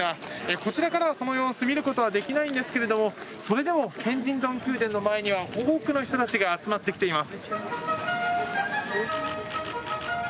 こちらからはその様子を見ることはできないんですがそれでもケンジントン宮殿の前には多くの人たちが集まってきています。